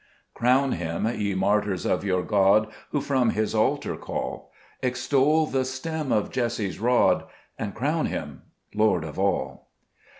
3 Crown Him, ye martyrs of your God Who from His altar call ; Extol the Stem of Jesse's rod, And crown Him Lord of all.